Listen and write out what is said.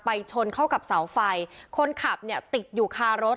ชนเข้ากับเสาไฟคนขับเนี่ยติดอยู่คารถ